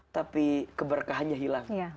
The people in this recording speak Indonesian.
tapi keberkahannya hilang